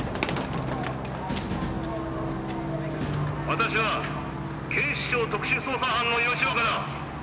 私は警視庁特殊捜査班の吉岡だ！